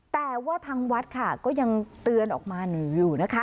แต่ว่าทางวัดค่ะก็ยังเตือนออกมาอยู่นะคะ